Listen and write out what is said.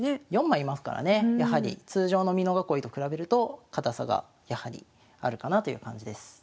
４枚居ますからねやはり通常の美濃囲いと比べると堅さがやはりあるかなという感じです。